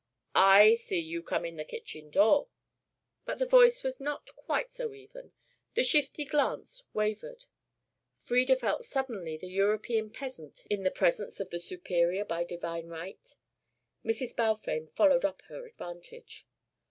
"I see you come in the kitchen door." But the voice was not quite so even, the shifty glance wavered. Frieda felt suddenly the European peasant in the presence of the superior by divine right. Mrs. Balfame followed up her advantage.